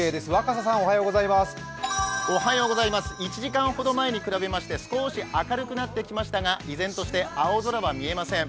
１時間ほど前に比べまして少し明るくなってきましたが依然として青空は見えません。